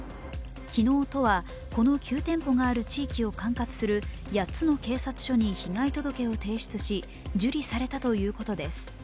昨日、都は昨日、この９店舗がある地域を管轄する８つの警察署に被害届を提出し受理されたということです。